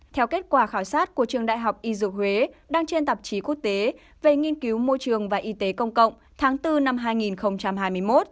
theo kết quả khảo sát của trường đại học y dược huế đăng trên tạp chí quốc tế về nghiên cứu môi trường và y tế công cộng tháng bốn năm hai nghìn hai mươi một